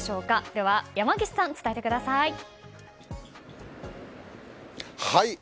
では山岸さん、伝えてください。